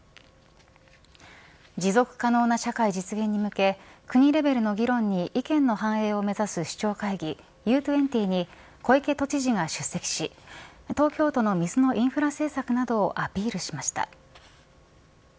持続可能な社会実現に向け国レベルの議論に意見の反映を目指す首長会議、Ｕ２０に小池都知事が出席し東京都の水のインフラ政策などをアピールしました。